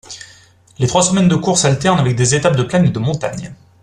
Les trois semaines de courses alternent avec des étapes de plaine et de montagne.